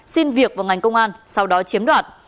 xin việc vào ngành công an sau đó chiếm đoạt